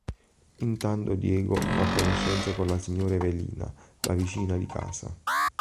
Intanto Diego fa conoscenza con la signora Evelina, la vicina di casa.